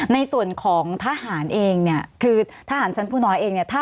ในส่วนของทหารเองเนี่ยคือทหารชั้นผู้น้อยเองเนี่ย